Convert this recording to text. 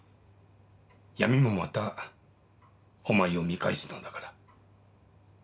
闇もまたお前を見返すのだから」。